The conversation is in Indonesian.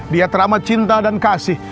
dia teramat cinta dan kasih